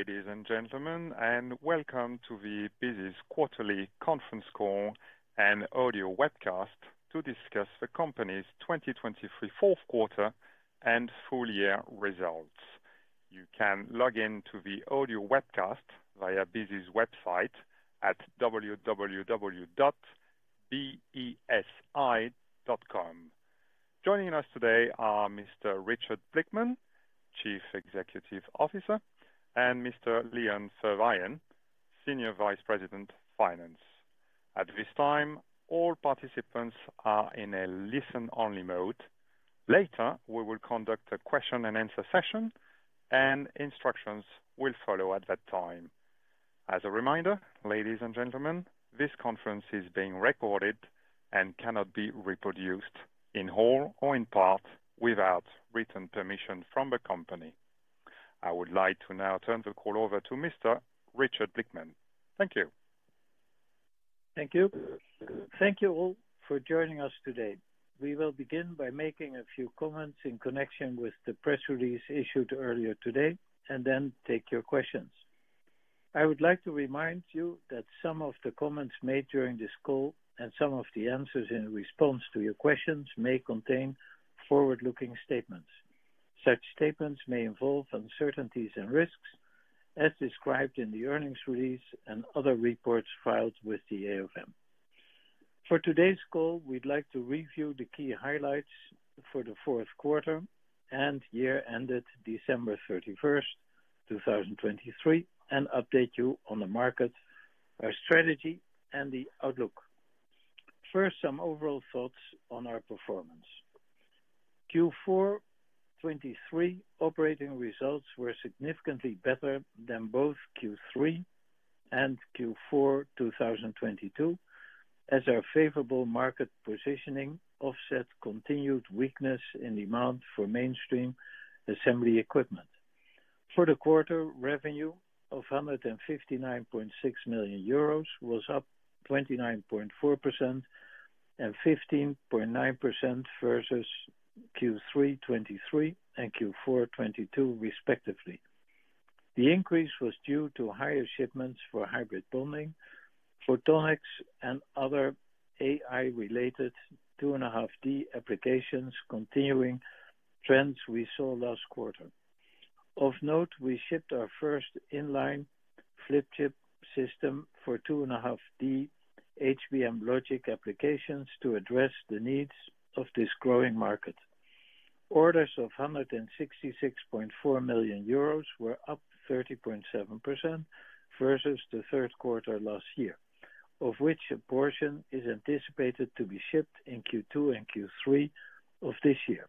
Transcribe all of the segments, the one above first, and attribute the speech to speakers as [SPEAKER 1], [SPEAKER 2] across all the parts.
[SPEAKER 1] Good morning, good afternoon, ladies and gentlemen, and welcome to the Besi Quarterly Conference Call and audio webcast to discuss the company's 2023 fourth quarter and full-year results. You can log in to the audio webcast via Besi website at www.besi.com. Joining us today are Mr. Richard Blickman, Chief Executive Officer, and Mr. Leon Verweijen, Senior Vice President, Finance. At this time, all participants are in a listen-only mode. Later, we will conduct a question-and-answer session, and instructions will follow at that time. As a reminder, ladies and gentlemen, this conference is being recorded and cannot be reproduced in whole or in part without written permission from the company. I would like to now turn the call over to Mr. Richard Blickman. Thank you.
[SPEAKER 2] Thank you. Thank you all for joining us today. We will begin by making a few comments in connection with the press release issued earlier today, and then take your questions. I would like to remind you that some of the comments made during this call and some of the answers in response to your questions may contain forward-looking statements. Such statements may involve uncertainties and risks, as described in the earnings release and other reports filed with the AFM. For today's call, we'd like to review the key highlights for the fourth quarter and year ended December 31st, 2023, and update you on the market, our strategy, and the outlook. First, some overall thoughts on our performance. Q4 2023 operating results were significantly better than both Q3 and Q4 2022, as our favorable market positioning offset continued weakness in demand for mainstream assembly equipment. For the quarter, revenue of EUR 159.6 million was up 29.4% and 15.9% versus Q3 2023 and Q4 2022, respectively. The increase was due to higher shipments for hybrid bonding, photonics, and other AI-related 2.5D applications continuing trends we saw last quarter. Of note, we shipped our first inline flip chip system for 2.5D HBM logic applications to address the needs of this growing market. Orders of 166.4 million euros were up 30.7% versus the third quarter last year, of which a portion is anticipated to be shipped in Q2 and Q3 of this year.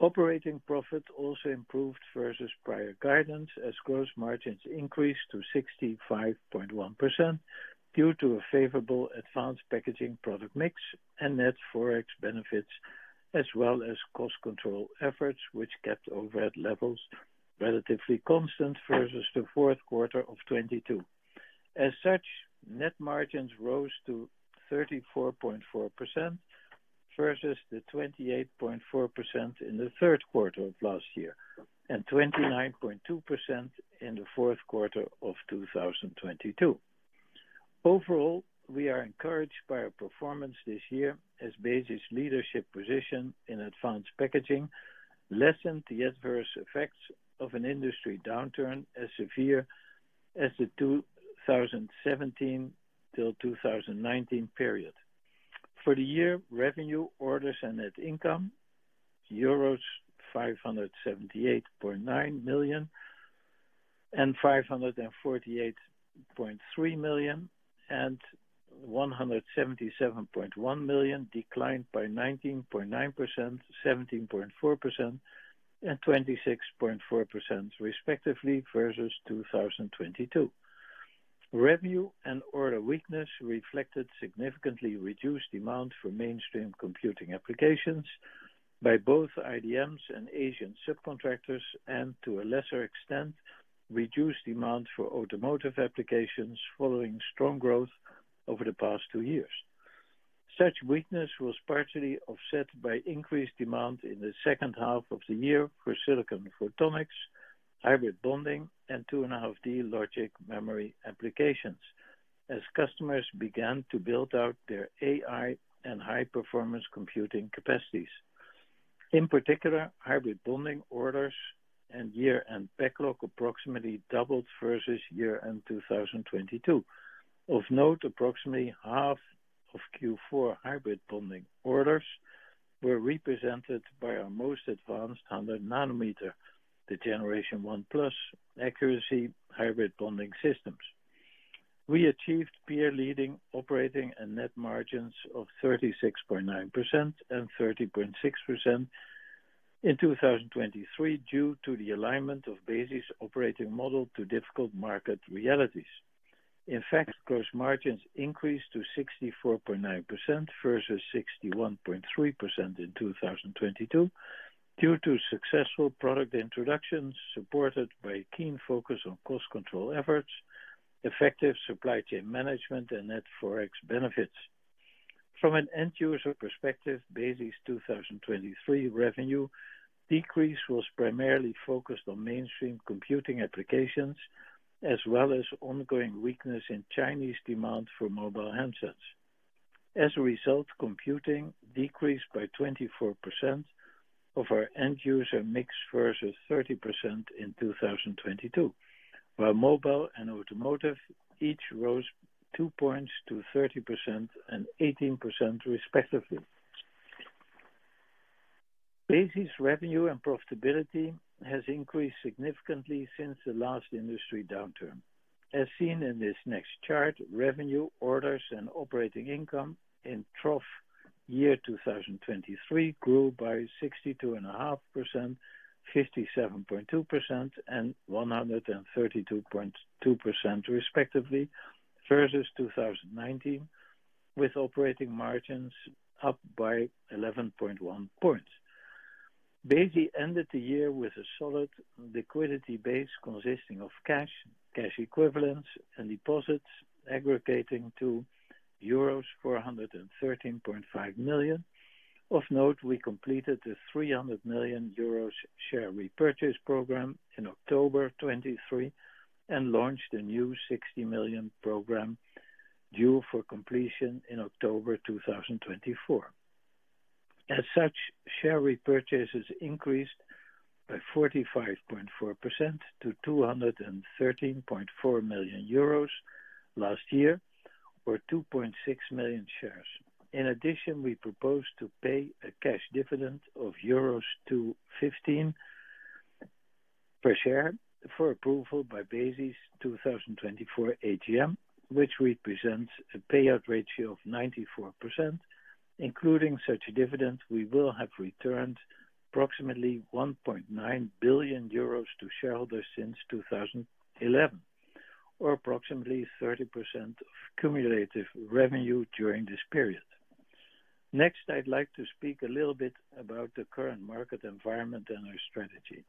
[SPEAKER 2] Operating profit also improved versus prior guidance, as gross margins increased to 65.1% due to a favorable advanced packaging product mix and net forex benefits, as well as cost control efforts, which kept overhead levels relatively constant versus the fourth quarter of 2022. As such, net margins rose to 34.4% versus the 28.4% in the third quarter of last year and 29.2% in the fourth quarter of 2022. Overall, we are encouraged by our performance this year, as Besi's leadership position in advanced packaging lessened the adverse effects of an industry downturn as severe as the 2017 till 2019 period. For the year, revenue, orders, and net income: euros 578.9 million and 548.3 million, and 177.1 million declined by 19.9%, 17.4%, and 26.4%, respectively, versus 2022. Revenue and order weakness reflected significantly reduced demand for mainstream computing applications by both IDMs and Asian subcontractors, and to a lesser extent, reduced demand for automotive applications following strong growth over the past two years. Such weakness was partially offset by increased demand in the second half of the year for silicon photonics, hybrid bonding, and 2.5D logic memory applications, as customers began to build out their AI and high-performance computing capacities. In particular, hybrid bonding orders and year-end backlog approximately doubled versus year-end 2022. Of note, approximately half of Q4 hybrid bonding orders were represented by our most advanced 100 nm Generation 1+ accuracy hybrid bonding systems. We achieved peer-leading operating and net margins of 36.9% and 30.6% in 2023 due to the alignment of Besi's operating model to difficult market realities. In fact, gross margins increased to 64.9% versus 61.3% in 2022 due to successful product introduction supported by a keen focus on cost control efforts, effective supply chain management, and net forex benefits. From an end-user perspective, Besi's 2023 revenue decrease was primarily focused on mainstream computing applications, as well as ongoing weakness in Chinese demand for mobile handsets. As a result, computing decreased by 24% of our end-user mix versus 30% in 2022, while mobile and automotive each rose two points to 30% and 18%, respectively. Besi's revenue and profitability has increased significantly since the last industry downturn. As seen in this next chart, revenue, orders, and operating income in trough year 2023 grew by 62.5%, 57.2%, and 132.2%, respectively, versus 2019, with operating margins up by 11.1 points. Besi ended the year with a solid liquidity base consisting of cash, cash equivalents, and deposits, aggregating to euros 413.5 million. Of note, we completed the 300 million euros share repurchase program in October 2023 and launched a new 60 million program due for completion in October 2024. As such, share repurchases increased by 45.4% to 213.4 million euros last year, or 2.6 million shares. In addition, we proposed to pay a cash dividend of 2.15 euros per share for approval by Besi's 2024 AGM, which represents a payout ratio of 94%. Including such a dividend, we will have returned approximately 1.9 billion euros to shareholders since 2011, or approximately 30% of cumulative revenue during this period. Next, I'd like to speak a little bit about the current market environment and our strategy.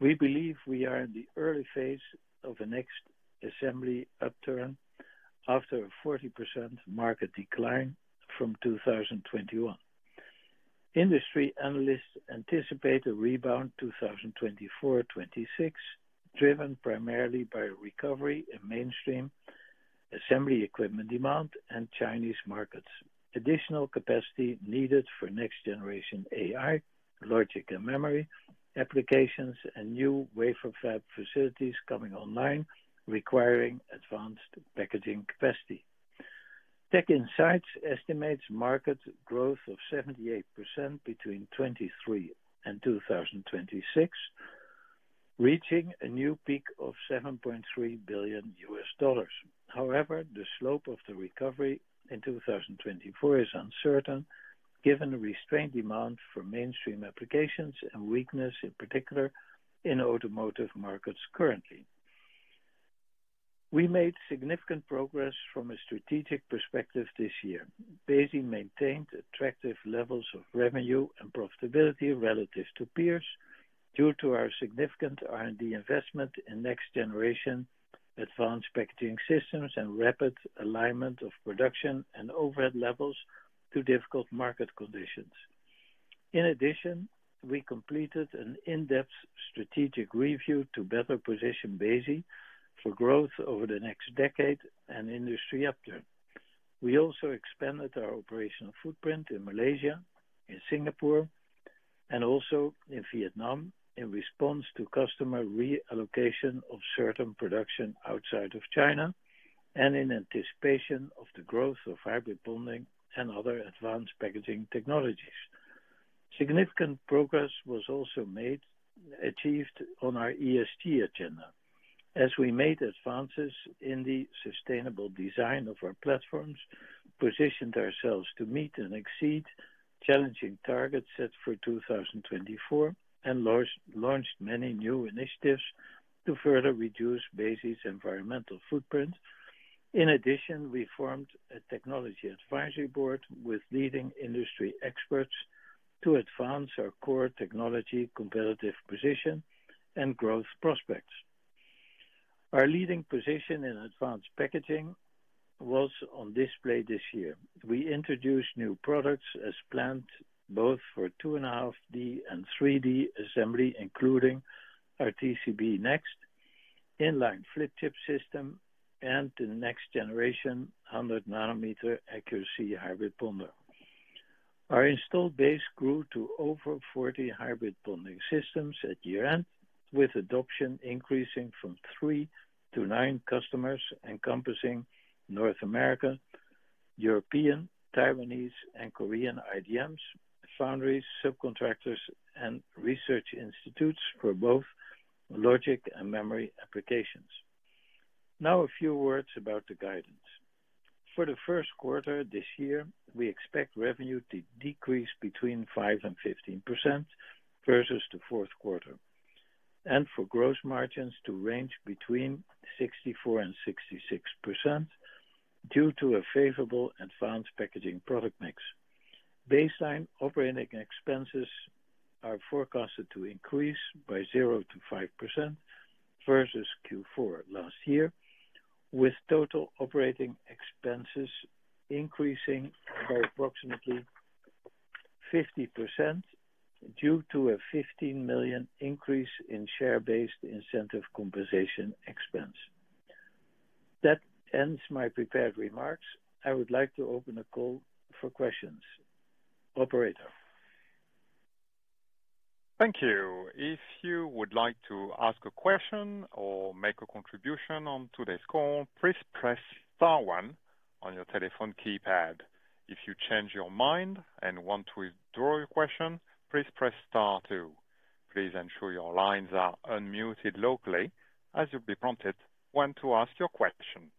[SPEAKER 2] We believe we are in the early phase of a next assembly upturn after a 40% market decline from 2021. Industry analysts anticipate a rebound 2024, 2026 driven primarily by recovery in mainstream assembly equipment demand and Chinese markets. Additional capacity needed for next-generation AI, logic, and memory applications, and new wafer fab facilities coming online requiring advanced packaging capacity. TechInsights estimates market growth of 78% between 2023 and 2026, reaching a new peak of $7.3 billion. However, the slope of the recovery in 2024 is uncertain given restrained demand for mainstream applications and weakness, in particular, in automotive markets currently. We made significant progress from a strategic perspective this year. Besi maintained attractive levels of revenue and profitability relative to peers due to our significant R&D investment in next-generation advanced packaging systems and rapid alignment of production and overhead levels to difficult market conditions. In addition, we completed an in-depth strategic review to better position Besi for growth over the next decade and industry upturn. We also expanded our operational footprint in Malaysia, in Singapore, and also in Vietnam in response to customer reallocation of certain production outside of China and in anticipation of the growth of hybrid bonding and other advanced packaging technologies. Significant progress was also achieved on our ESG agenda, as we made advances in the sustainable design of our platforms, positioned ourselves to meet and exceed challenging targets set for 2024, and launched many new initiatives to further reduce Besi's environmental footprint. In addition, we formed a technology advisory board with leading industry experts to advance our core technology competitive position and growth prospects. Our leading position in advanced packaging was on display this year. We introduced new products as planned both for 2.5D and 3D assembly, including our TCB Next inline flip chip system and the next-generation 100 nm accuracy hybrid bonder. Our installed base grew to over 40 hybrid bonding systems at year-end, with adoption increasing from three to nine customers encompassing North America, Europe, Taiwan, and Korea IDMs, foundries, subcontractors, and research institutes for both logic and memory applications. Now, a few words about the guidance. For the first quarter this year, we expect revenue to decrease between 5% and 15% versus the fourth quarter, and for gross margins to range between 64% and 66% due to a favorable advanced packaging product mix. Baseline operating expenses are forecasted to increase by 0%-5% versus Q4 last year, with total operating expenses increasing by approximately 50% due to a $15 million increase in share-based incentive compensation expense. That ends my prepared remarks. I would like to open the call for questions. Operator.
[SPEAKER 1] Thank you. If you would like to ask a question or make a contribution on today's call, please press star one on your telephone keypad. If you change your mind and want to withdraw your question, please press star two. Please ensure your lines are unmuted locally as you'll be prompted when to ask your question.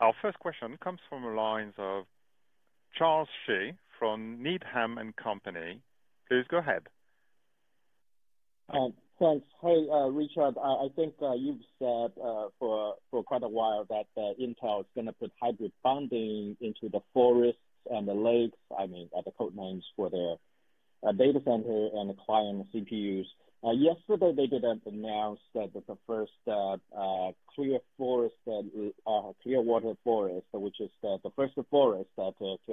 [SPEAKER 1] Our first question comes from the lines of Charles Shi from Needham & Company. Please go ahead.
[SPEAKER 3] Thanks. Hey, Richard. I think you've said for quite a while that Intel is going to put hybrid bonding into the Forests and the Lakes, I mean, the code names for their data center and the client CPUs. Yesterday, they did announce that the first Clearwater Forest, which is the first Forest to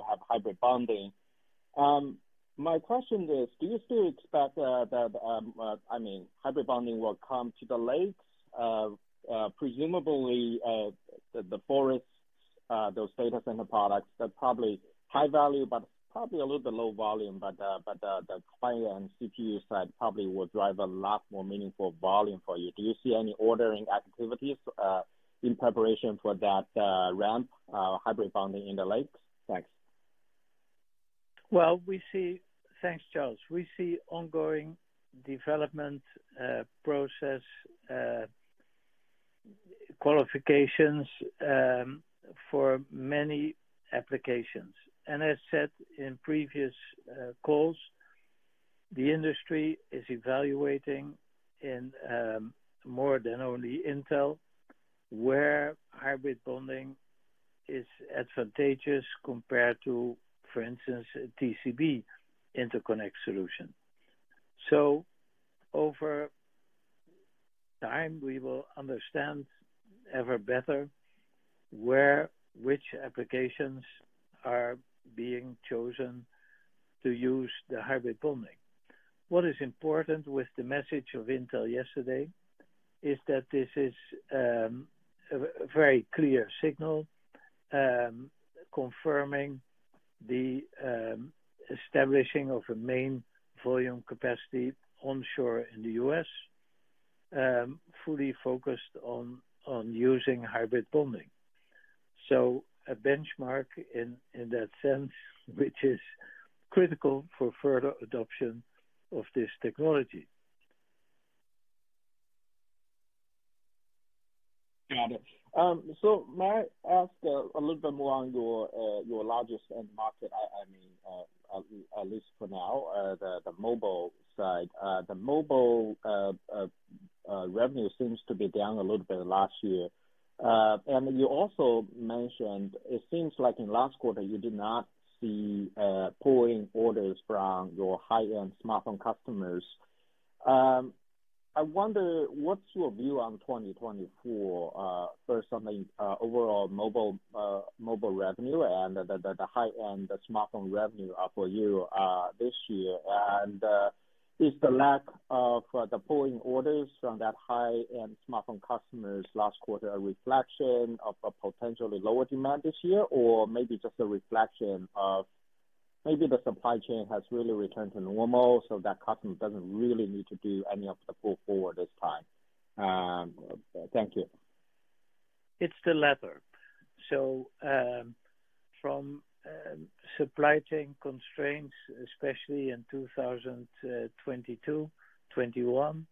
[SPEAKER 3] have hybrid bonding. My question is: do you still expect that, I mean, hybrid bonding will come to the Lakes? Presumably, the Forests, those data center products, they're probably high value but probably a little bit low volume, but the client CPU side probably will drive a lot more meaningful volume for you. Do you see any ordering activities in preparation for that ramp, hybrid bonding in the Lakes? Thanks.
[SPEAKER 2] Well, we see, thanks, Charles. We see ongoing development process qualifications for many applications. And as said in previous calls, the industry is evaluating, more than only Intel, where hybrid bonding is advantageous compared to, for instance, a TCB interconnect solution. So over time, we will understand ever better which applications are being chosen to use the hybrid bonding. What is important with the message of Intel yesterday is that this is a very clear signal confirming the establishing of a main volume capacity onshore in the U.S., fully focused on using hybrid bonding. So a benchmark in that sense, which is critical for further adoption of this technology.
[SPEAKER 3] Got it. So may I ask a little bit more on your largest end market, I mean, at least for now, the mobile side? The mobile revenue seems to be down a little bit last year. And you also mentioned it seems like in last quarter, you did not see pulling orders from your high-end smartphone customers. I wonder, what's your view on 2024, first on the overall mobile revenue and the high-end smartphone revenue for you this year? And is the lack of the pulling orders from that high-end smartphone customers last quarter a reflection of a potentially lower demand this year, or maybe just a reflection of maybe the supply chain has really returned to normal so that customer doesn't really need to do any of the pull forward this time? Thank you.
[SPEAKER 2] It's the latter. So from supply chain constraints, especially in 2022-2021,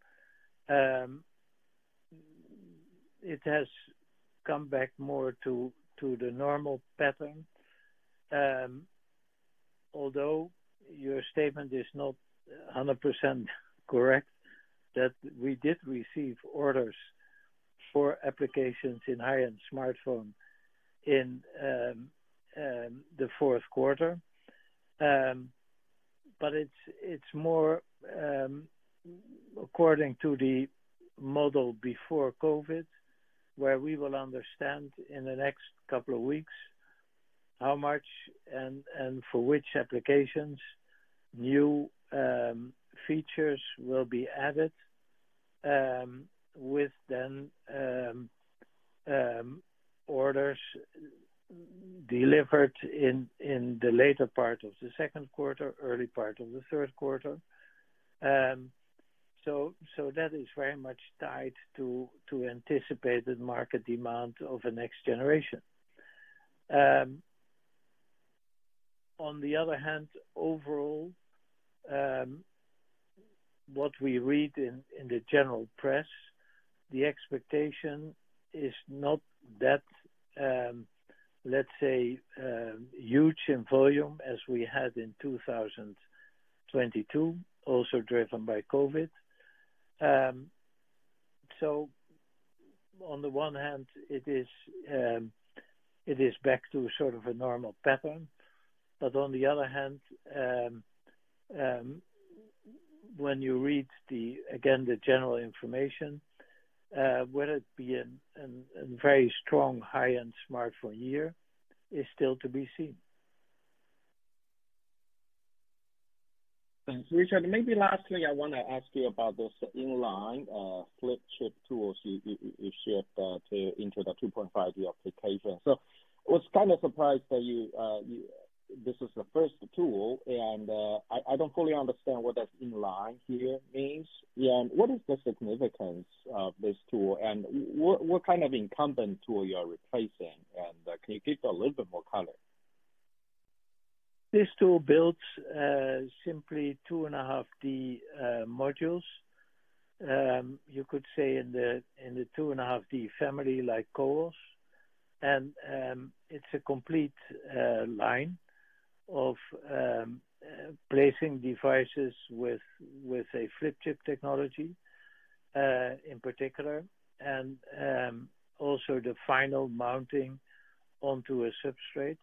[SPEAKER 2] it has come back more to the normal pattern. Although your statement is not 100% correct, we did receive orders for applications in high-end smartphone in the fourth quarter. But it's more according to the model before COVID, where we will understand in the next couple of weeks how much and for which applications new features will be added, with then orders delivered in the later part of the second quarter, early part of the third quarter. So that is very much tied to anticipated market demand of a next generation. On the other hand, overall, what we read in the general press, the expectation is not that, let's say, huge in volume as we had in 2022, also driven by COVID. So on the one hand, it is back to sort of a normal pattern. On the other hand, when you read, again, the general information, whether it be a very strong high-end smartphone year, is still to be seen.
[SPEAKER 3] Thanks, Richard. Maybe lastly, I want to ask you about those Inline flip chip tools you shared into the 2.5D application. So I was kind of surprised that this is the first tool. And I don't fully understand what that inline here means. And what is the significance of this tool? And what kind of incumbent tool you are replacing? And can you give a little bit more color?
[SPEAKER 2] This tool builds simply 2.5D modules, you could say, in the 2.5D family like cores. And it's a complete line of placing devices with a flip chip technology in particular, and also the final mounting onto a substrate.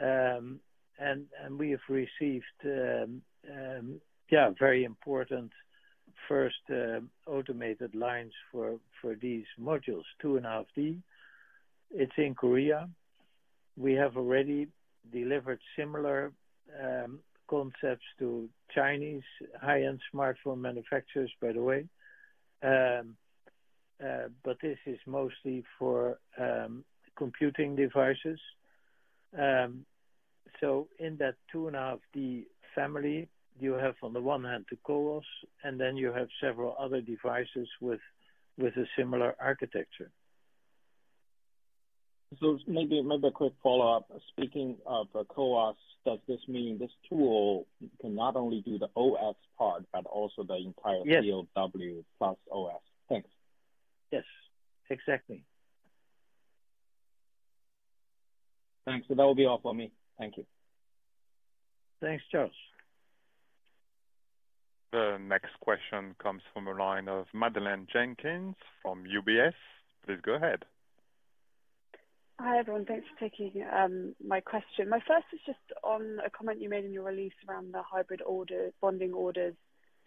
[SPEAKER 2] And we have received, yeah, very important first automated lines for these modules, 2.5D. It's in Korea. We have already delivered similar concepts to Chinese high-end smartphone manufacturers, by the way. But this is mostly for computing devices. So in that 2.5D family, you have, on the one hand, the cores, and then you have several other devices with a similar architecture.
[SPEAKER 3] Maybe a quick follow-up. Speaking of cores, does this mean this tool can not only do the OS part but also the entire DOW plus OS? Thanks.
[SPEAKER 2] Yes. Exactly.
[SPEAKER 3] Thanks. So that will be all for me. Thank you.
[SPEAKER 2] Thanks, Charles.
[SPEAKER 1] The next question comes from the line of Madeleine Jenkins from UBS. Please go ahead.
[SPEAKER 4] Hi, everyone. Thanks for taking my question. My first is just on a comment you made in your release around the hybrid bonding orders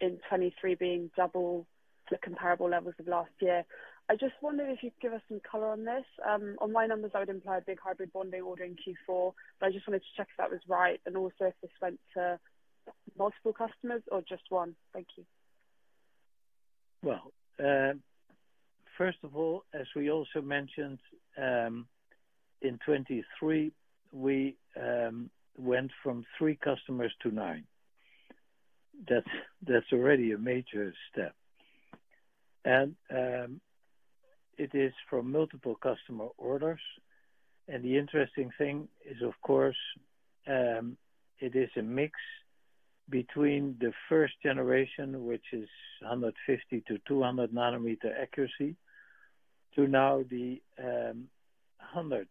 [SPEAKER 4] in 2023 being double the comparable levels of last year. I just wondered if you'd give us some color on this. On my numbers, I would imply a big hybrid bonding order in Q4, but I just wanted to check if that was right and also if this went to multiple customers or just one. Thank you.
[SPEAKER 2] Well, first of all, as we also mentioned, in 2023, we went from three customers to nine. That's already a major step. It is from multiple customer orders. The interesting thing is, of course, it is a mix between the first generation, which is 150 nm-200 nm accuracy, to now the 100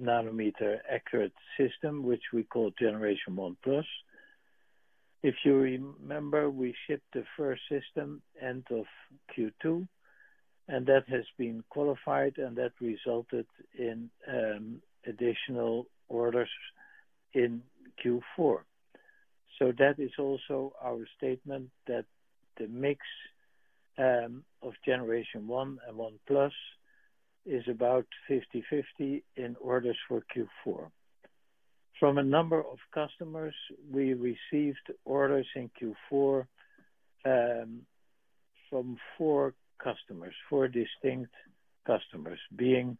[SPEAKER 2] nm accurate system, which we call Generation 1+. If you remember, we shipped the first system end of Q2, and that has been qualified, and that resulted in additional orders in Q4. So that is also our statement, that the mix of Generation 1 and 1+ is about 50/50 in orders for Q4. From a number of customers, we received orders in Q4 from four customers, four distinct customers, being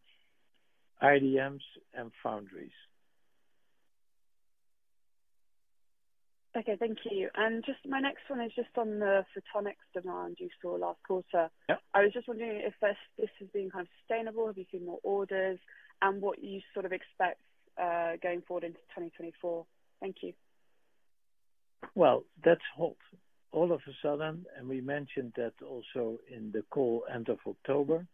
[SPEAKER 2] IDMs and foundries.
[SPEAKER 4] Okay. Thank you. And my next one is just on the photonics demand you saw last quarter. I was just wondering if this has been kind of sustainable, have you seen more orders, and what you sort of expect going forward into 2024? Thank you.
[SPEAKER 2] Well, that's all of a sudden. We mentioned that also in the call end of October.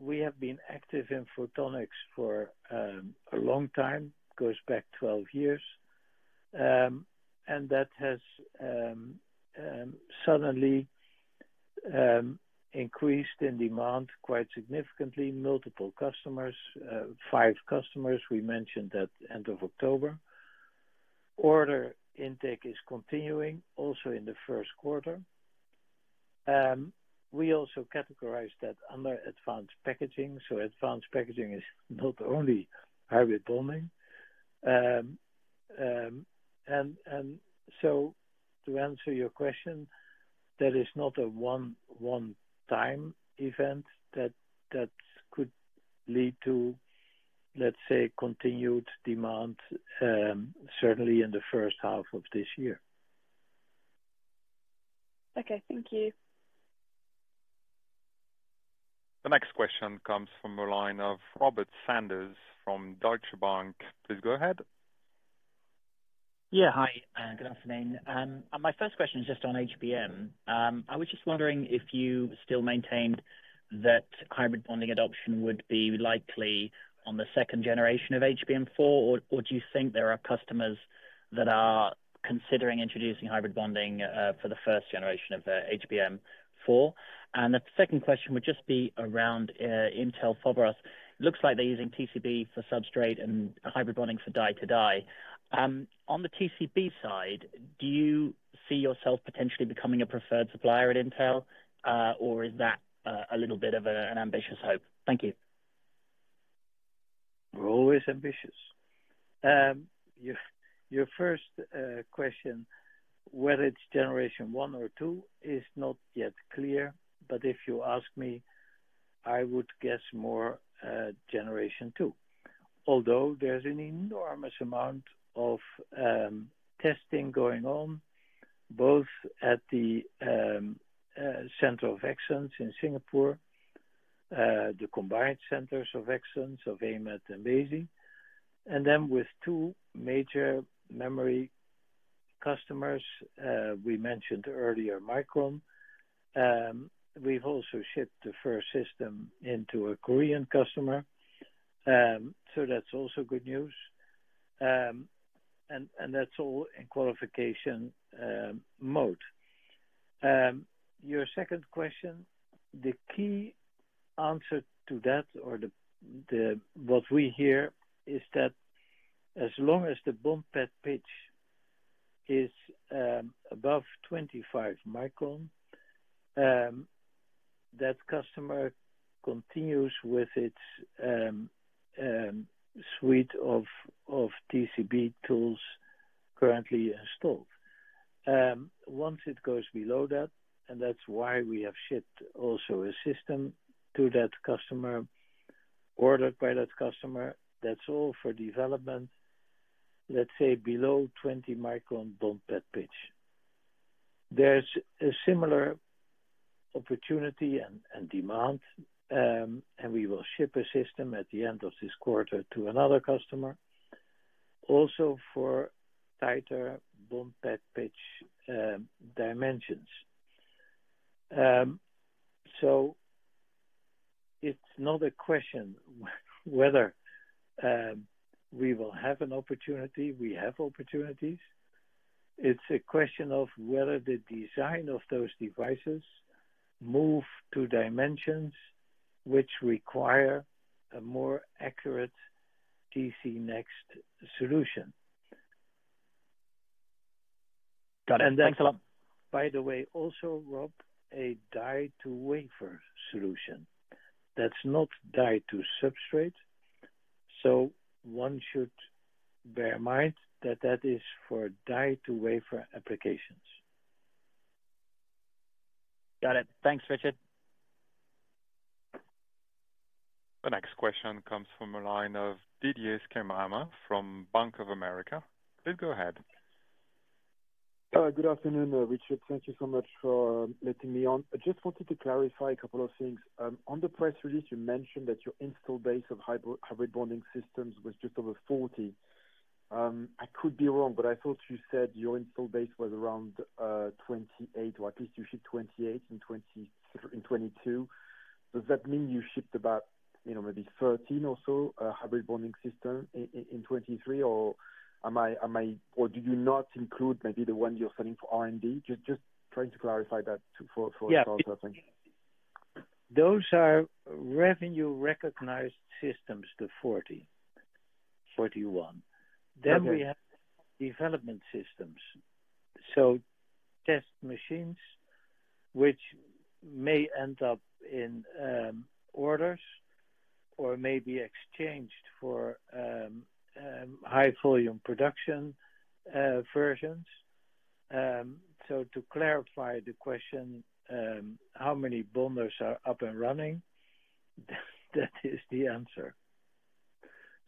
[SPEAKER 2] We have been active in photonics for a long time, goes back 12 years. And that has suddenly increased in demand quite significantly, multiple customers, five customers, we mentioned at end of October. Order intake is continuing also in the first quarter. We also categorized that under advanced packaging. So advanced packaging is not only hybrid bonding. And so to answer your question, that is not a one-time event that could lead to, let's say, continued demand, certainly in the first half of this year.
[SPEAKER 4] Okay. Thank you.
[SPEAKER 1] The next question comes from the line of Robert Sanders from Deutsche Bank. Please go ahead.
[SPEAKER 5] Yeah. Hi. Good afternoon. My first question is just on HBM. I was just wondering if you still maintained that hybrid bonding adoption would be likely on the second generation of HBM4, or do you think there are customers that are considering introducing hybrid bonding for the first generation of HBM4? And the second question would just be around Intel Foveros. It looks like they're using TCB for substrate and hybrid bonding for die-to-die. On the TCB side, do you see yourself potentially becoming a preferred supplier at Intel, or is that a little bit of an ambitious hope? Thank you.
[SPEAKER 2] We're always ambitious. Your first question, whether it's Generation 1 or 2, is not yet clear. But if you ask me, I would guess more Generation 2, although there's an enormous amount of testing going on both at the center of excellence in Singapore, the combined centers of excellence of AMAT and WASI, and then with two major memory customers. We mentioned earlier Micron. We've also shipped the first system into a Korean customer. So that's also good news. And that's all in qualification mode. Your second question, the key answer to that or what we hear is that as long as the bumped pitch is above 25 microns, that customer continues with its suite of TCB tools currently installed. Once it goes below that, and that's why we have shipped also a system to that customer, ordered by that customer, that's all for development, let's say, below 20-micron bump pitch. There's a similar opportunity and demand, and we will ship a system at the end of this quarter to another customer also for tighter bump pitch dimensions. So it's not a question whether we will have an opportunity. We have opportunities. It's a question of whether the design of those devices move to dimensions which require a more accurate TCB Next solution. And that's.
[SPEAKER 6] Got it. Thanks a lot.
[SPEAKER 2] By the way, also, Rob, a die-to-wafer solution. That's not die-to-substrate. So one should bear in mind that that is for die-to-wafer applications.
[SPEAKER 6] Got it. Thanks, Richard.
[SPEAKER 1] The next question comes from the line of Didier Scemama from Bank of America. Please go ahead.
[SPEAKER 7] Good afternoon, Richard. Thank you so much for letting me on. I just wanted to clarify a couple of things. On the press release, you mentioned that your install base of hybrid bonding systems was just over 40. I could be wrong, but I thought you said your install base was around 28, or at least you shipped 28 in 2022. Does that mean you shipped about maybe 13 or so hybrid bonding systems in 2023, or do you not include maybe the one you're selling for R&D? Just trying to clarify that for ourselves, I think.
[SPEAKER 2] Those are revenue-recognized systems, the 40, 41. Then we have development systems, so test machines which may end up in orders or may be exchanged for high-volume production versions. So, to clarify the question, how many bonders are up and running? That is the answer.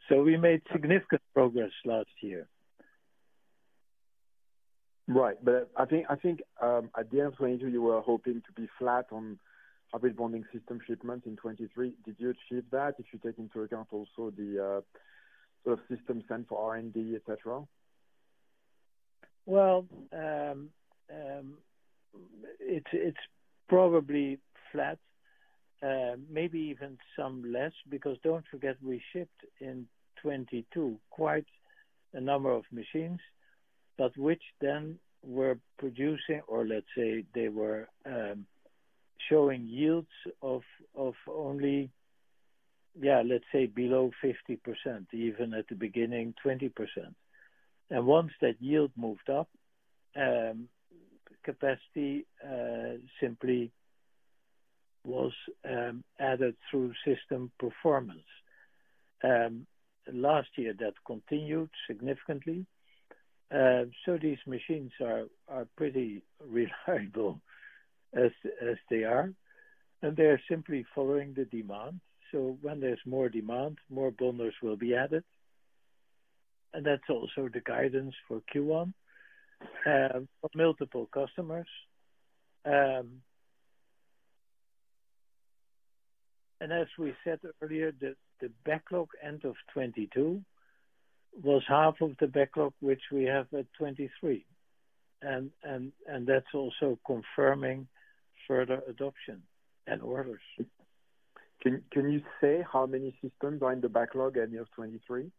[SPEAKER 2] So we made significant progress last year.
[SPEAKER 7] Right. But I think at the end of 2022, you were hoping to be flat on hybrid bonding system shipments in 2023. Did you achieve that if you take into account also the sort of systems sent for R&D, etc.?
[SPEAKER 2] Well, it's probably flat, maybe even some less because don't forget we shipped in 2022 quite a number of machines, but which then were producing or let's say they were showing yields of only, yeah, let's say, below 50%, even at the beginning, 20%. And once that yield moved up, capacity simply was added through system performance. Last year, that continued significantly. So these machines are pretty reliable as they are, and they're simply following the demand. So when there's more demand, more bonders will be added. And that's also the guidance for Q1 for multiple customers. And as we said earlier, the backlog end of 2022 was half of the backlog which we have at 2023. And that's also confirming further adoption and orders.
[SPEAKER 7] Can you say how many systems are in the backlog end of 2023?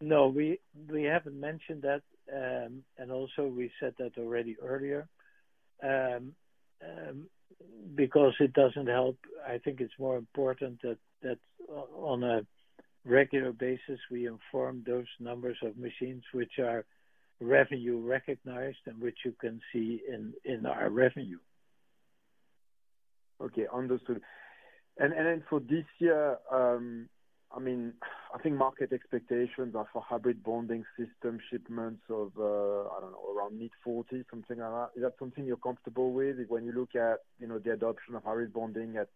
[SPEAKER 2] No. We haven't mentioned that, and also we said that already earlier because it doesn't help. I think it's more important that on a regular basis, we inform those numbers of machines which are revenue-recognized and which you can see in our revenue.
[SPEAKER 7] Okay. Understood. And then for this year, I mean, I think market expectations are for hybrid bonding system shipments of, I don't know, around mid-40, something like that. Is that something you're comfortable with when you look at the adoption of hybrid bonding at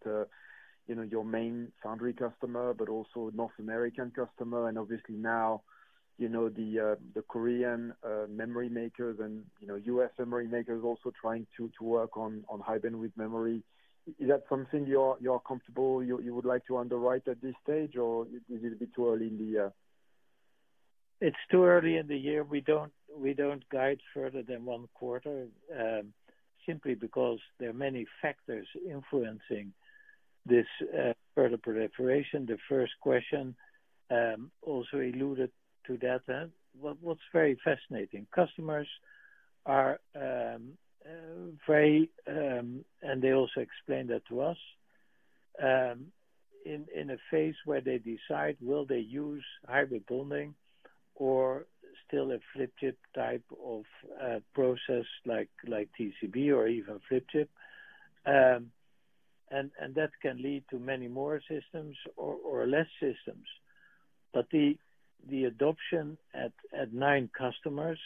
[SPEAKER 7] your main foundry customer but also North American customer? And obviously, now, the Korean memory makers and U.S. memory makers also trying to work on high-bandwidth memory. Is that something you are comfortable you would like to underwrite at this stage, or is it a bit too early in the year?
[SPEAKER 2] It's too early in the year. We don't guide further than one quarter simply because there are many factors influencing this further proliferation. The first question also alluded to that. What's very fascinating, customers are very and they also explained that to us in a phase where they decide, will they use hybrid bonding or still a flip-chip type of process like TCB or even flip chip? And that can lead to many more systems or less systems. But the adoption at nine customers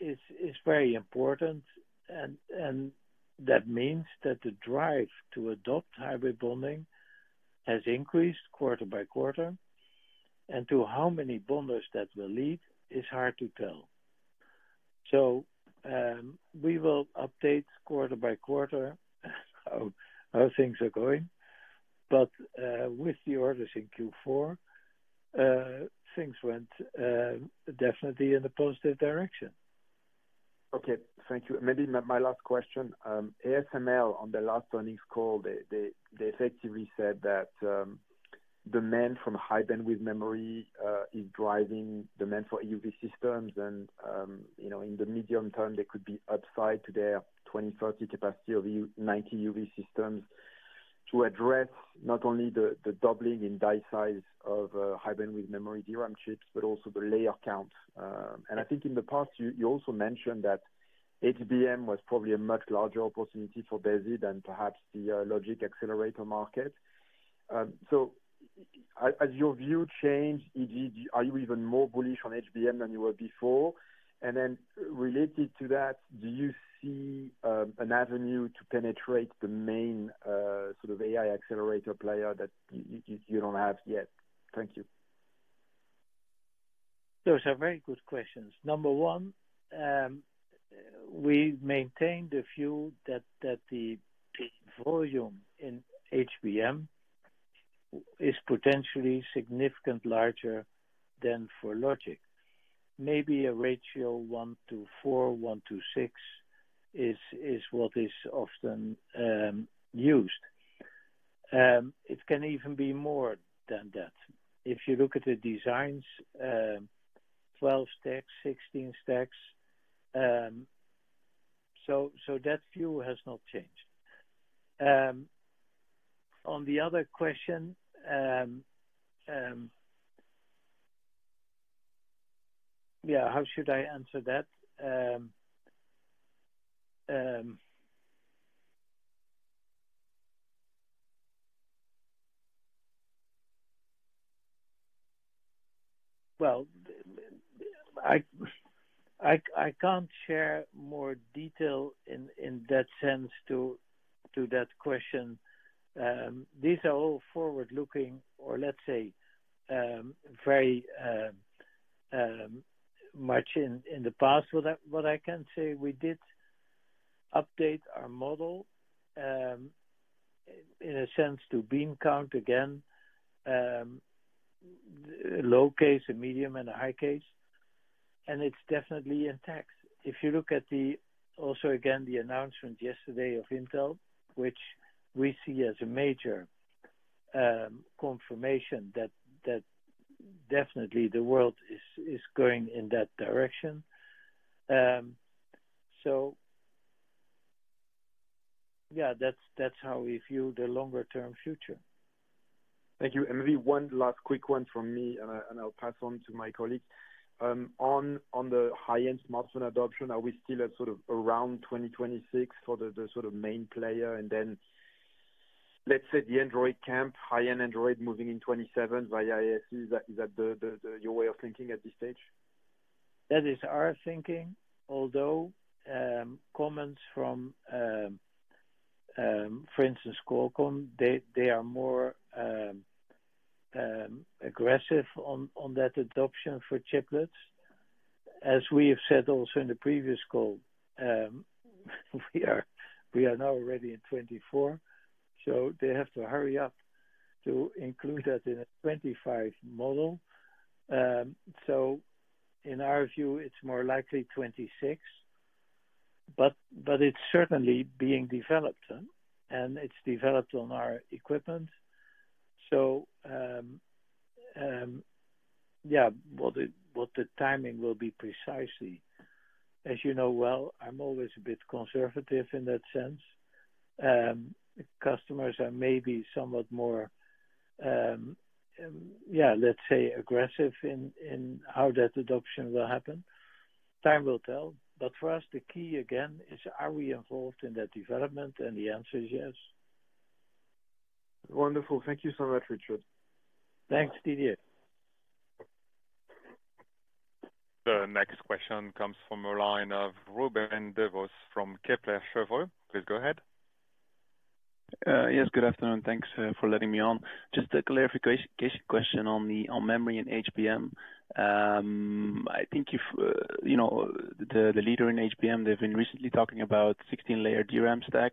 [SPEAKER 2] is very important. And that means that the drive to adopt hybrid bonding has increased quarter by quarter. And to how many bonders that will lead is hard to tell. So we will update quarter by quarter how things are going. But with the orders in Q4, things went definitely in the positive direction.
[SPEAKER 7] Okay. Thank you. Maybe my last question. ASML, on their last earnings call, they effectively said that demand from high-bandwidth memory is driving demand for EUV systems. In the medium term, they could be upside to their 2030 capacity of 90 EUV systems to address not only the doubling in die size of high-bandwidth memory DRAM chips but also the layer count. I think in the past, you also mentioned that HBM was probably a much larger opportunity for WASI than perhaps the logic accelerator market. So has your view changed, ED? Are you even more bullish on HBM than you were before? Related to that, do you see an avenue to penetrate the main sort of AI accelerator player that you don't have yet? Thank you.
[SPEAKER 2] Those are very good questions. Number one, we maintain the view that the volume in HBM is potentially significantly larger than for logic. Maybe a ratio 1:4, 1:6 is what is often used. It can even be more than that if you look at the designs, 12 stacks, 16 stacks. So that view has not changed. On the other question, yeah, how should I answer that? Well, I can't share more detail in that sense to that question. These are all forward-looking or, let's say, very much in the past, what I can say. We did update our model in a sense to bean count again, low case, a medium, and a high case. It's definitely intact. If you look at also, again, the announcement yesterday of Intel, which we see as a major confirmation that definitely the world is going in that direction. Yeah, that's how we view the longer-term future.
[SPEAKER 7] Thank you. And maybe one last quick one from me, and I'll pass on to my colleagues. On the high-end smartphone adoption, are we still sort of around 2026 for the sort of main player? And then let's say the Android camp, high-end Android moving in 2027 via ASE, is that your way of thinking at this stage?
[SPEAKER 2] That is our thinking although comments from, for instance, Qualcomm, they are more aggressive on that adoption for chiplets. As we have said also in the previous call, we are now already in 2024. So they have to hurry up to include that in a 2025 model. So in our view, it's more likely 2026. But it's certainly being developed, and it's developed on our equipment. So yeah, what the timing will be precisely. As you know well, I'm always a bit conservative in that sense. Customers are maybe somewhat more, yeah, let's say, aggressive in how that adoption will happen. Time will tell. But for us, the key, again, is are we involved in that development? And the answer is yes.
[SPEAKER 7] Wonderful. Thank you so much, Richard.
[SPEAKER 2] Thanks, Didier.
[SPEAKER 1] The next question comes from the line of Ruben Devos from Kepler Cheuvreux. Please go ahead.
[SPEAKER 8] Yes. Good afternoon. Thanks for letting me on. Just a clarification question on memory in HBM. I think the leader in HBM, they've been recently talking about 16-layer DRAM stack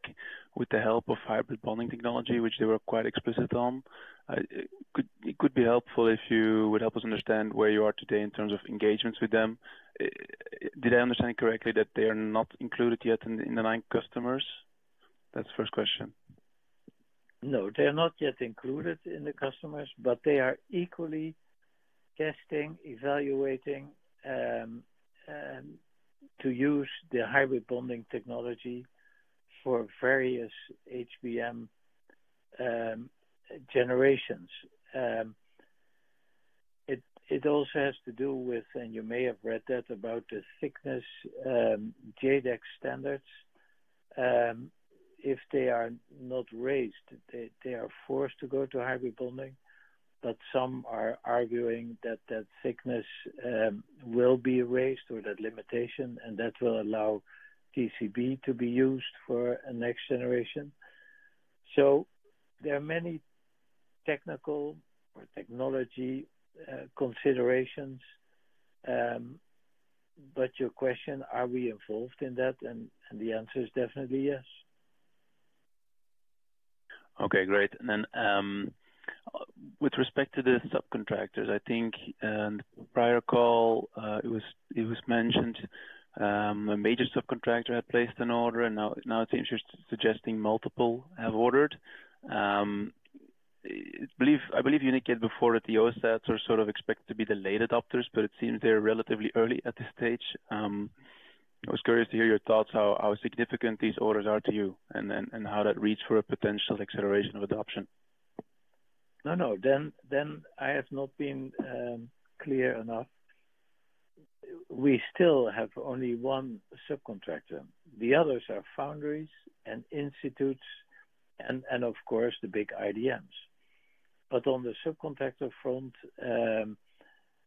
[SPEAKER 8] with the help of hybrid bonding technology, which they were quite explicit on. It could be helpful if you would help us understand where you are today in terms of engagements with them. Did I understand correctly that they are not included yet in the nine customers? That's the first question.
[SPEAKER 2] No. They are not yet included in the customers, but they are equally testing, evaluating to use the hybrid bonding technology for various HBM generations. It also has to do with, and you may have read that, about the thickness JEDEC standards. If they are not raised, they are forced to go to hybrid bonding. But some are arguing that that thickness will be raised or that limitation, and that will allow TCB to be used for a next generation. So there are many technical or technology considerations. But your question, are we involved in that? And the answer is definitely yes.
[SPEAKER 8] Okay. Great. And then with respect to the subcontractors, I think in the prior call, it was mentioned a major subcontractor had placed an order, and now it seems you're suggesting multiple have ordered. I believe, unlike before, the OSATs are sort of expected to be the late adopters, but it seems they're relatively early at this stage. I was curious to hear your thoughts, how significant these orders are to you, and how that reads for a potential acceleration of adoption.
[SPEAKER 2] No, no. Then I have not been clear enough. We still have only one subcontractor. The others are foundries and institutes and, of course, the big IDMs. But on the subcontractor front,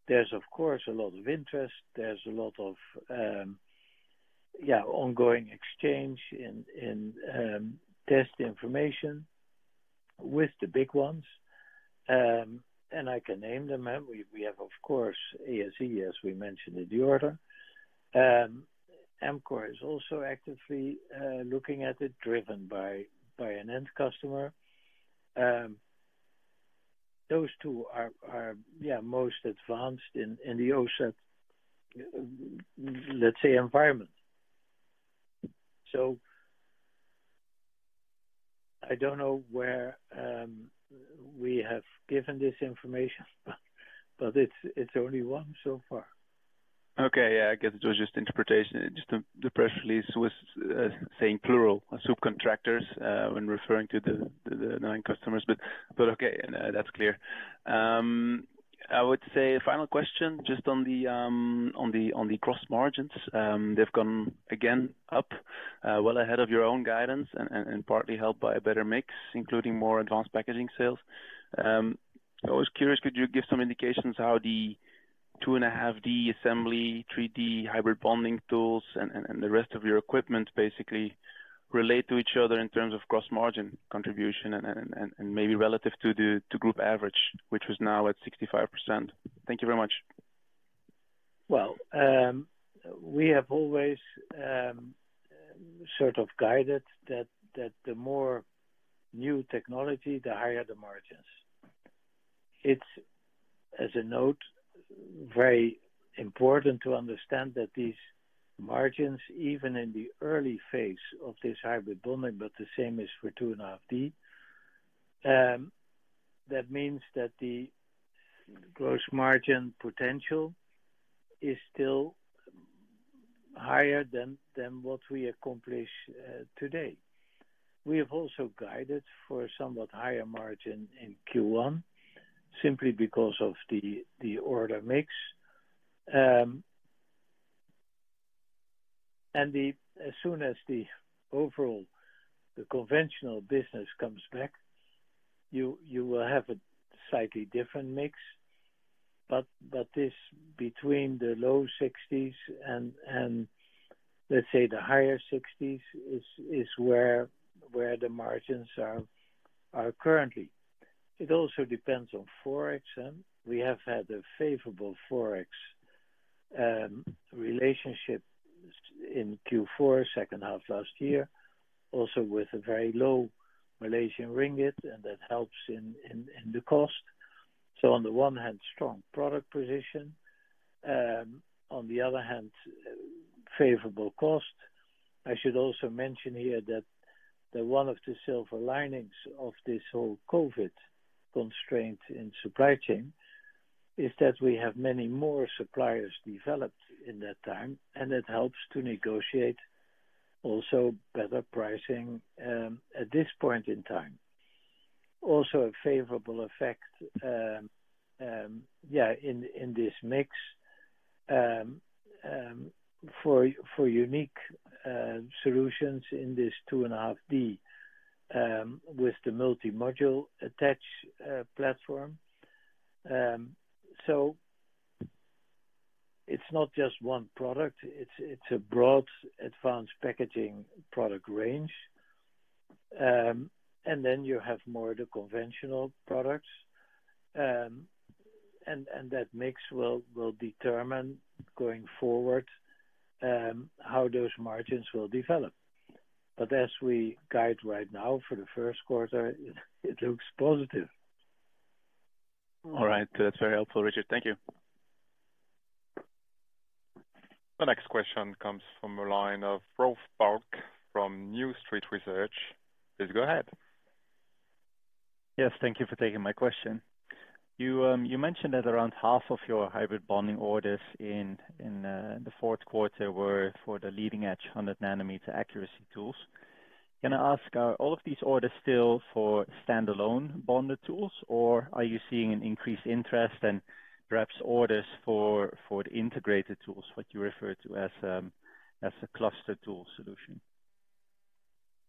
[SPEAKER 2] there's, of course, a lot of interest. There's a lot of, yeah, ongoing exchange in test information with the big ones. And I can name them. We have, of course, ASE, as we mentioned in the order. Amkor is also actively looking at it, driven by an end customer. Those two are, yeah, most advanced in the OSAT, let's say, environment. So I don't know where we have given this information, but it's only one so far.
[SPEAKER 8] Okay. Yeah. I guess it was just interpretation. Just the press release was saying plural, subcontractors, when referring to the nine customers. But okay. That's clear. I would say final question just on the cross margins. They've gone, again, up well ahead of your own guidance and partly helped by a better mix, including more advanced packaging sales. I was curious, could you give some indications how the 2.5D assembly, 3D hybrid bonding tools, and the rest of your equipment basically relate to each other in terms of cross-margin contribution and maybe relative to group average, which was now at 65%? Thank you very much.
[SPEAKER 2] Well, we have always sort of guided that the more new technology, the higher the margins. It's, as a note, very important to understand that these margins, even in the early phase of this hybrid bonding, but the same is for 2.5D, that means that the gross margin potential is still higher than what we accomplish today. We have also guided for somewhat higher margin in Q1 simply because of the order mix. And as soon as the overall, the conventional business comes back, you will have a slightly different mix. But this between the low 60s% and, let's say, the higher 60s% is where the margins are currently. It also depends on Forex. We have had a favorable Forex relationship in Q4, second half last year, also with a very low Malaysian ringgit, and that helps in the cost. So on the one hand, strong product position. On the other hand, favorable cost. I should also mention here that one of the silver linings of this whole COVID constraint in supply chain is that we have many more suppliers developed in that time, and that helps to negotiate also better pricing at this point in time. Also a favorable effect, yeah, in this mix for unique solutions in this 2.5D with the multimodule attach platform. So it's not just one product. It's a broad advanced packaging product range. And then you have more of the conventional products. And that mix will determine going forward how those margins will develop. But as we guide right now for the first quarter, it looks positive.
[SPEAKER 8] All right. That's very helpful, Richard. Thank you.
[SPEAKER 1] The next question comes from the line of Rolf Bulk from New Street Research. Please go ahead.
[SPEAKER 9] Yes. Thank you for taking my question. You mentioned that around half of your hybrid bonding orders in the fourth quarter were for the leading-edge 100 nm accuracy tools. Can I ask, are all of these orders still for standalone bonded tools, or are you seeing an increased interest and perhaps orders for the integrated tools, what you refer to as a cluster tool solution?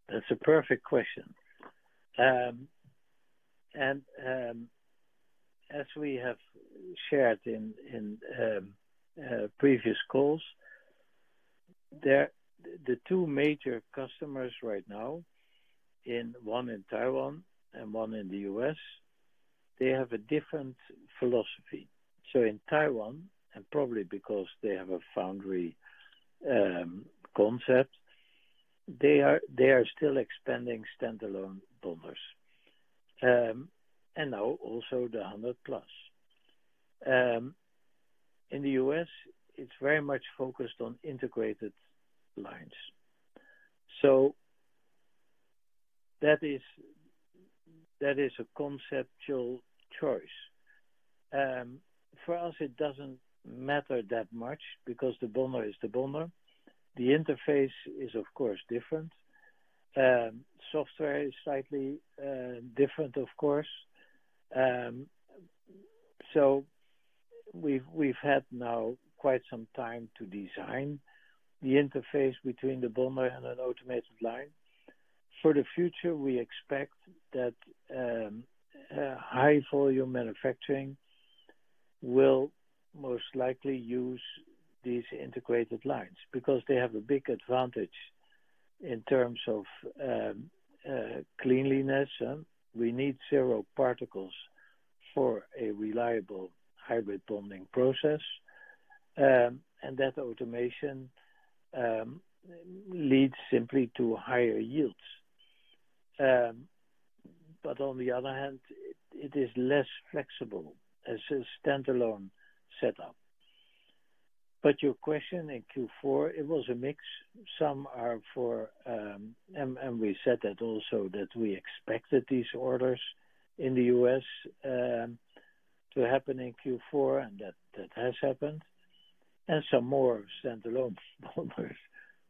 [SPEAKER 2] That's a perfect question. As we have shared in previous calls, the two major customers right now, one in Taiwan and one in the U.S., they have a different philosophy. In Taiwan, and probably because they have a foundry concept, they are still expanding standalone bonders and now also the 100+. In the U.S., it's very much focused on integrated lines. That is a conceptual choice. For us, it doesn't matter that much because the bonder is the bonder. The interface is, of course, different. Software is slightly different, of course. We've had now quite some time to design the interface between the bonder and an automated line. For the future, we expect that high-volume manufacturing will most likely use these integrated lines because they have a big advantage in terms of cleanliness. We need zero particles for a reliable hybrid bonding process. And that automation leads simply to higher yields. But on the other hand, it is less flexible as a standalone setup. But your question in Q4, it was a mix. Some are for, and we said that also, that we expected these orders in the U.S. to happen in Q4, and that has happened. And some more standalone bonders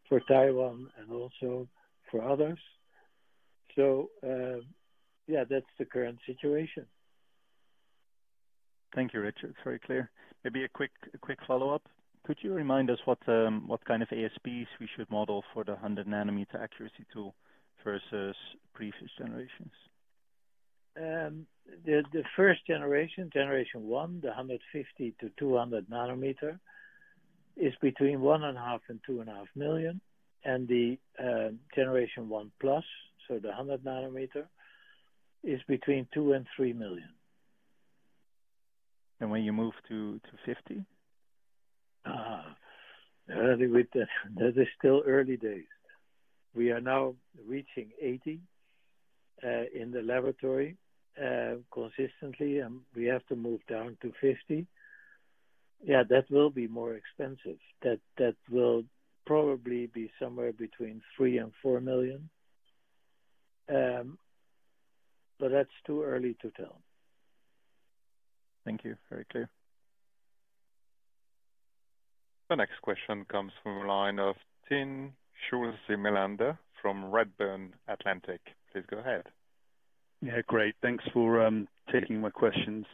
[SPEAKER 2] for Taiwan and also for others. So yeah, that's the current situation.
[SPEAKER 9] Thank you, Richard. It's very clear. Maybe a quick follow-up. Could you remind us what kind of ASPs we should model for the 100-nanometer accuracy tool versus previous generations?
[SPEAKER 2] The first generation, Generation 1, the 150 nm-200 nm, is between 1.5 million and EUR 2.5 million. The Generation 1+, so the 100 nm, is between 2 million and 3 million.
[SPEAKER 9] When you move to 50 nm?
[SPEAKER 2] That is still early days. We are now reaching 80 nm in the laboratory consistently, and we have to move down to 50 nm. Yeah, that will be more expensive. That will probably be somewhere between 3 million and 4 million. But that's too early to tell.
[SPEAKER 9] Thank you. Very clear.
[SPEAKER 1] The next question comes from the line of Timm Schulze-Melander from Redburn Atlantic. Please go ahead.
[SPEAKER 10] Yeah. Great. Thanks for taking my questions.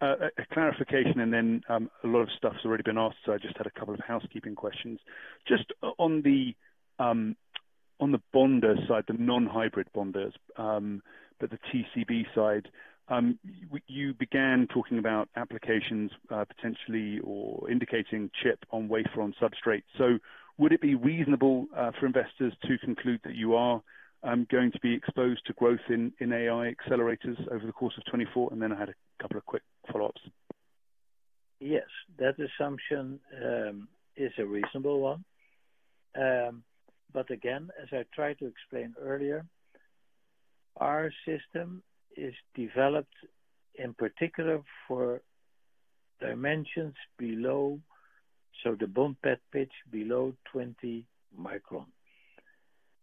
[SPEAKER 10] A clarification, and then a lot of stuff's already been asked, so I just had a couple of housekeeping questions. Just on the bonder side, the non-hybrid bonders, but the TCB side, you began talking about applications potentially or indicating chip on wafer-on substrate. So would it be reasonable for investors to conclude that you are going to be exposed to growth in AI accelerators over the course of 2024? And then I had a couple of quick follow-ups.
[SPEAKER 2] Yes. That assumption is a reasonable one. But again, as I tried to explain earlier, our system is developed in particular for dimensions below, so the bond pad pitch below 20 microns.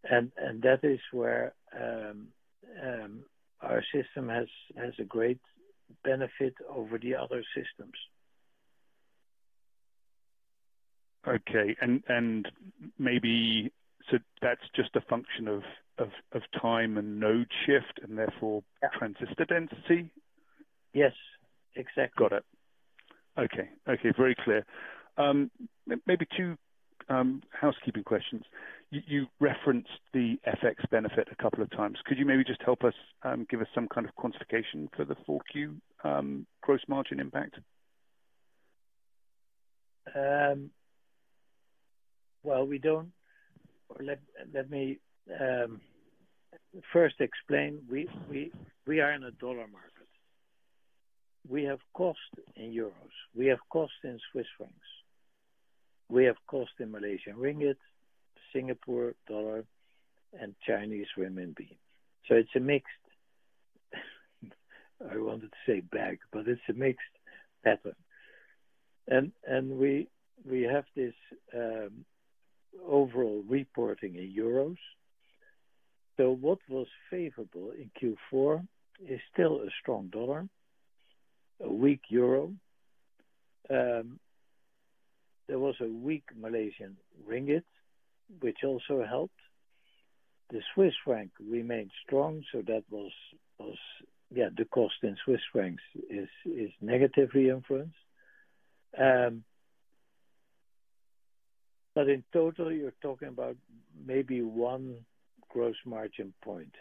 [SPEAKER 2] And that is where our system has a great benefit over the other systems.
[SPEAKER 10] Okay. So that's just a function of time and node shift and therefore transistor density?
[SPEAKER 2] Yes. Exactly.
[SPEAKER 10] Got it. Okay. Okay. Very clear. Maybe two housekeeping questions. You referenced the FX benefit a couple of times. Could you maybe just help us give us some kind of quantification for the 4Q gross margin impact?
[SPEAKER 2] Well, let me first explain. We are in a dollar market. We have cost in euros. We have cost in Swiss francs. We have cost in Malaysian ringgit, Singapore dollar, and Chinese renminbi. So it's a mixed I wanted to say bag, but it's a mixed pattern. And we have this overall reporting in euros. So what was favorable in Q4 is still a strong dollar, a weak euro. There was a weak Malaysian ringgit, which also helped. The Swiss franc remained strong, so that was yeah, the cost in Swiss francs is negatively influenced. But in total, you're talking about maybe one gross margin point.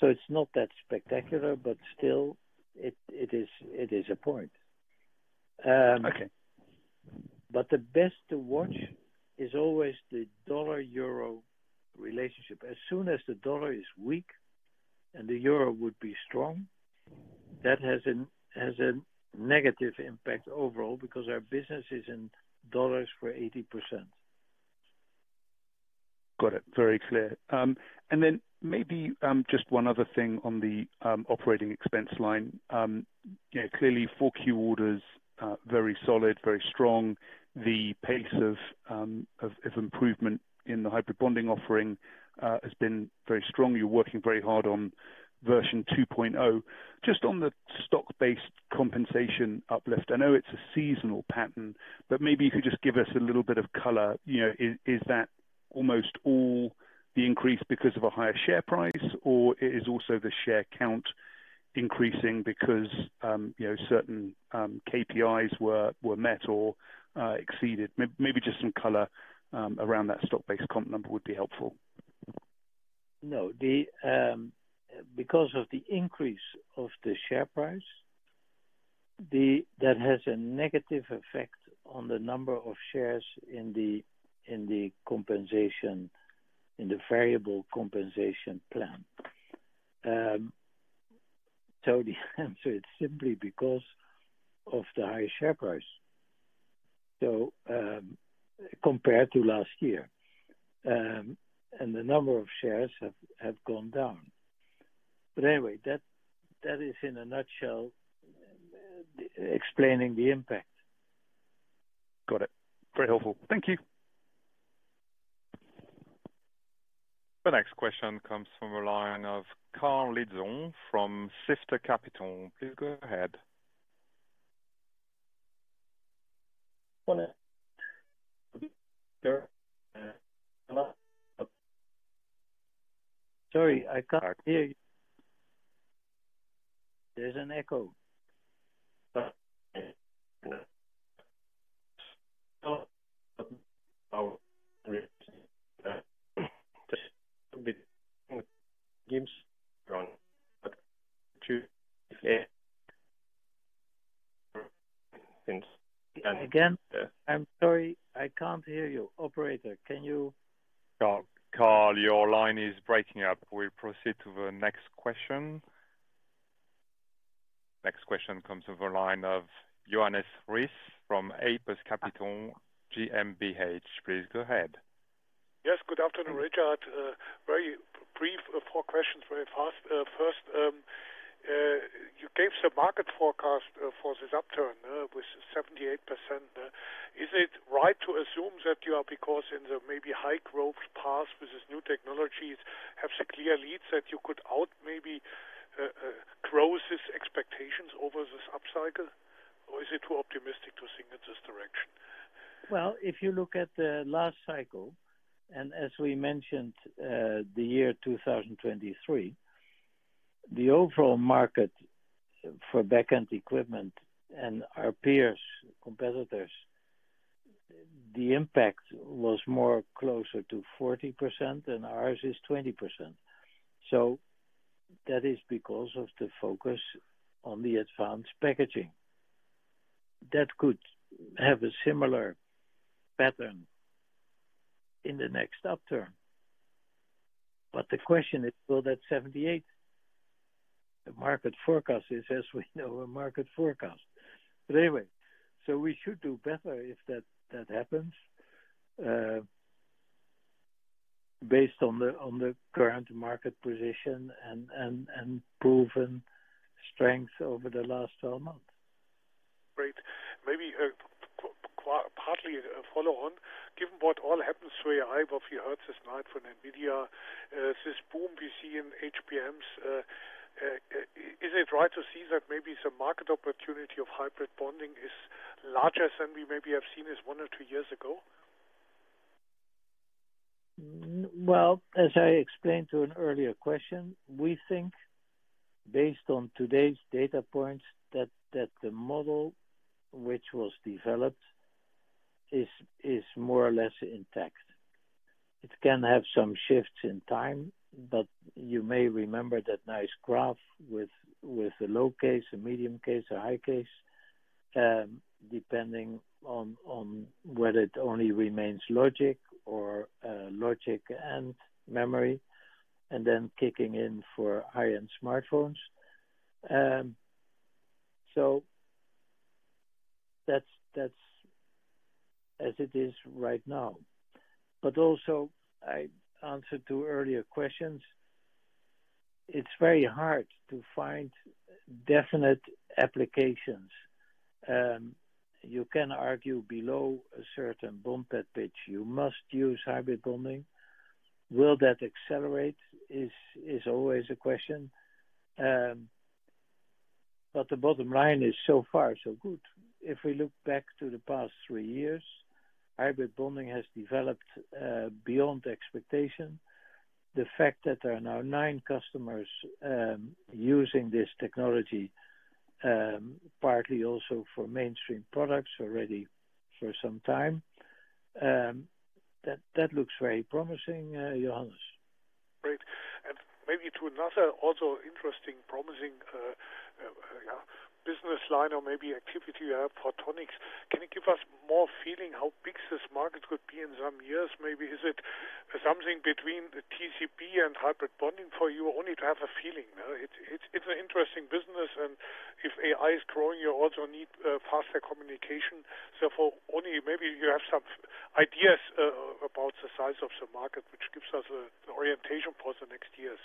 [SPEAKER 2] So it's not that spectacular, but still, it is a point. But the best to watch is always the dollar-euro relationship. As soon as the U.S. dollar is weak and the euro would be strong, that has a negative impact overall because our business is in U.S. dollars for 80%.
[SPEAKER 10] Got it. Very clear. And then maybe just one other thing on the operating expense line. Clearly, 4Q orders, very solid, very strong. The pace of improvement in the hybrid bonding offering has been very strong. You're working very hard on version 2.0. Just on the stock-based compensation uplift, I know it's a seasonal pattern, but maybe you could just give us a little bit of color. Is that almost all the increase because of a higher share price, or is also the share count increasing because certain KPIs were met or exceeded? Maybe just some color around that stock-based comp number would be helpful.
[SPEAKER 2] No. Because of the increase of the share price, that has a negative effect on the number of shares in the compensation, in the variable compensation plan. So it's simply because of the high share price, so compared to last year. And the number of shares have gone down. But anyway, that is, in a nutshell, explaining the impact.
[SPEAKER 10] Got it. Very helpful. Thank you.
[SPEAKER 1] The next question comes from the line of Karl Lidsle from Sifter Capital. Please go ahead.
[SPEAKER 2] Sorry. I can't hear you. There's an echo. Again? I'm sorry. I can't hear you. Operator, can you?
[SPEAKER 1] Karl, your line is breaking up. We'll proceed to the next question. Next question comes from the line of Johannes Ries from Apus Capital GmbH. Please go ahead.
[SPEAKER 11] Yes. Good afternoon, Richard. Four questions very fast. First, you gave some market forecast for this upturn with 78%. Is it right to assume that you are because in the maybe high-growth path with this new technologies have some clear leads that you could maybe cross these expectations over this upcycle, or is it too optimistic to think in this direction?
[SPEAKER 2] Well, if you look at the last cycle, and as we mentioned, the year 2023, the overall market for backend equipment and our peers, competitors, the impact was more closer to 40%, and ours is 20%. So that is because of the focus on the advanced packaging. That could have a similar pattern in the next upturn. But the question is, will that happen? The market forecast is, as we know, a market forecast. But anyway, so we should do better if that happens based on the current market position and proven strength over the last 12 months.
[SPEAKER 11] Great. Maybe partly a follow-on. Given what all happens to AI, what we heard tonight from NVIDIA, this boom we see in HBMs, is it right to see that maybe some market opportunity of hybrid bonding is larger than we maybe have seen one or two years ago?
[SPEAKER 2] Well, as I explained to an earlier question, we think, based on today's data points, that the model which was developed is more or less intact. It can have some shifts in time, but you may remember that nice graph with a low case, a medium case, a high case, depending on whether it only remains logic and memory and then kicking in for high-end smartphones. So that's as it is right now. But also, I answered two earlier questions. It's very hard to find definite applications. You can argue below a certain bond pad pitch, you must use hybrid bonding. Will that accelerate is always a question. But the bottom line is so far, so good. If we look back to the past three years, hybrid bonding has developed beyond expectation. The fact that there are now nine customers using this technology, partly also for mainstream products already for some time, that looks very promising, Johannes.
[SPEAKER 11] Great. Maybe to another also interesting, promising, yeah, business line or maybe activity you have for photonics, can you give us more feeling how big this market could be in some years? Maybe is it something between TCB and hybrid bonding for you, only to have a feeling? It's an interesting business, and if AI is growing, you also need faster communication. Therefore, maybe you have some ideas about the size of the market, which gives us an orientation for the next years.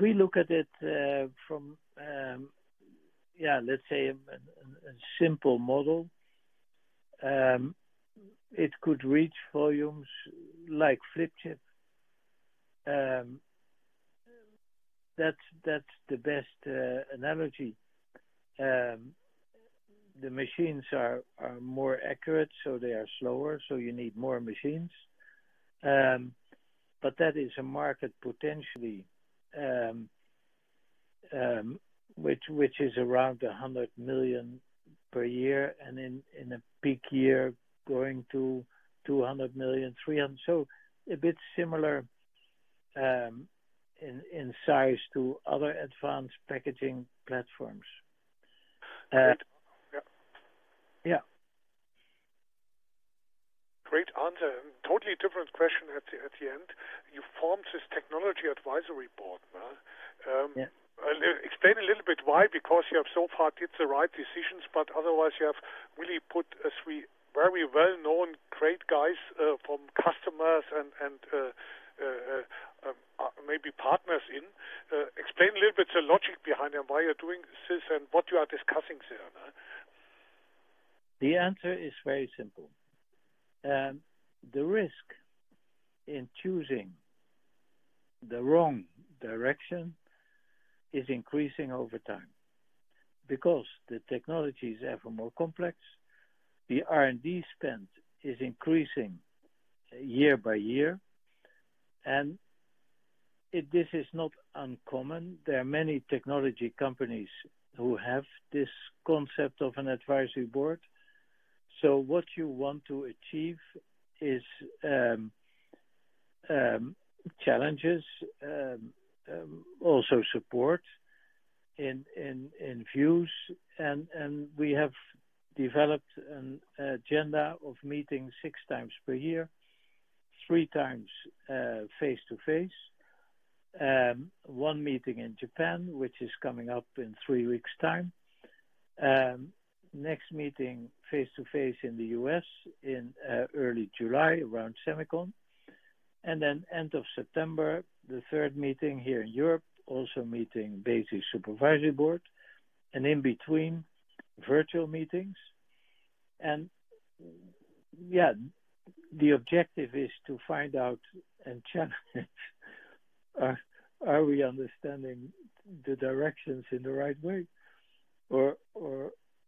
[SPEAKER 2] We look at it from, yeah, let's say, a simple model. It could reach volumes like flip chip. That's the best analogy. The machines are more accurate, so they are slower, so you need more machines. But that is a market potentially, which is around 100 million per year, and in a peak year, going to 200 million, 300 million. So a bit similar in size to other advanced packaging platforms.
[SPEAKER 11] Great. Yeah. Yeah. Great. Totally different question at the end. You formed this technology advisory board. Explain a little bit why, because you have so far did the right decisions, but otherwise, you have really put very well-known, great guys from customers and maybe partners in. Explain a little bit the logic behind why you're doing this and what you are discussing here.
[SPEAKER 2] The answer is very simple. The risk in choosing the wrong direction is increasing over time because the technology is ever more complex. The R&D spend is increasing year by year. This is not uncommon. There are many technology companies who have this concept of an advisory board. So what you want to achieve is challenges, also support in views. We have developed an agenda of meetings six times per year, three times face-to-face, one meeting in Japan, which is coming up in three weeks' time, next meeting face-to-face in the U.S. in early July, around semicon, and then end of September, the third meeting here in Europe, also meeting Besi supervisory board, and in between, virtual meetings. Yeah, the objective is to find out and challenge, are we understanding the directions in the right way, or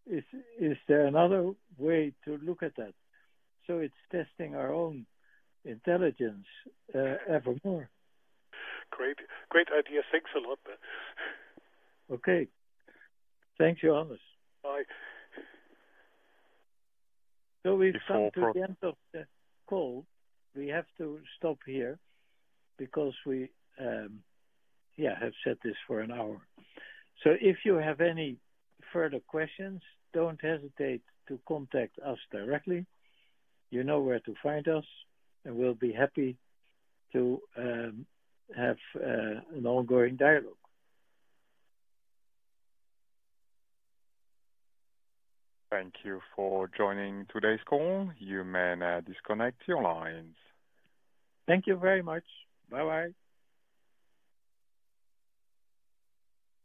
[SPEAKER 2] is there another way to look at that? It's testing our own intelligence ever more.
[SPEAKER 11] Great. Great idea. Thanks a lot.
[SPEAKER 2] Okay. Thanks, Johannes.
[SPEAKER 11] Bye.
[SPEAKER 2] We've come to the end of the call. We have to stop here because we, yeah, have set this for an hour. If you have any further questions, don't hesitate to contact us directly. You know where to find us, and we'll be happy to have an ongoing dialogue.
[SPEAKER 1] Thank you for joining today's call. You may disconnect your lines.
[SPEAKER 2] Thank you very much. Bye-bye.